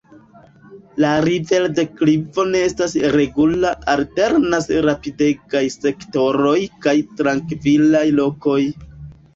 La riverdeklivo ne estas regula – alternas rapidegaj sektoroj kaj trankvilaj lokoj.